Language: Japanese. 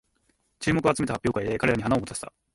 注目を集めた発表会で彼らに花を持たせた